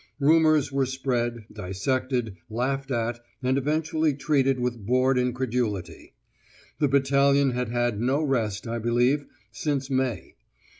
Rumours were spread, dissected, laughed at, and eventually treated with bored incredulity. The battalion had had no rest, I believe, since May.